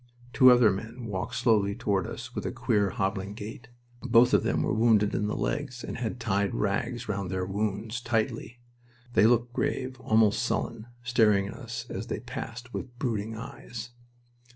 Two other men walked slowly toward us with a queer, hobbling gait. Both of them were wounded in the legs, and had tied rags round their wounds tightly. They looked grave, almost sullen, staring at us as they passed, with brooding eyes.